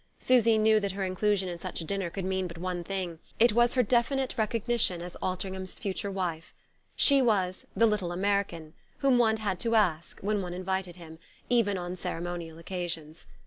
Susy knew that her inclusion in such a dinner could mean but one thing: it was her definite recognition as Altringham's future wife. She was "the little American" whom one had to ask when one invited him, even on ceremonial occasions.